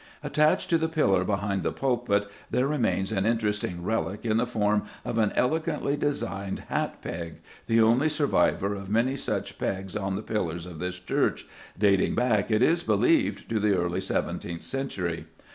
Attached to the pillar behind the pulpit there remains an interesting relic in the form of an elegantly designed hat peg, the only survivor of many such pegs on the pillars of this church, dating back, it is believed, to the early seventeenth century.